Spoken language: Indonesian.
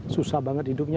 susah banget hidupnya